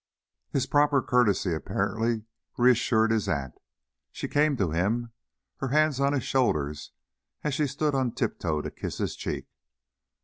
His proper courtesy apparently reassured his aunt. She came to him, her hands on his shoulders as she stood on tip toe to kiss his cheek.